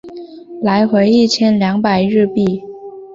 来回一千两百日币